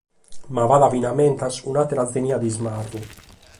Ma b’at finamentas un’àtera genia de ismarru.